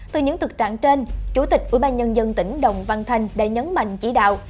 từ những thực trạng trên chủ tịch ubnd tỉnh đồng văn thanh đã nhấn mạnh chỉ đạo